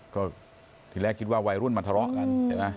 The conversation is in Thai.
ก็ที่แรกคิดว่าวัยรุ่นมันทะเลาะกัน